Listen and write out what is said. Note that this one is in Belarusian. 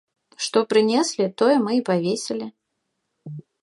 Што прынеслі, тое мы і павесілі.